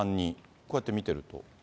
こうやって見てると。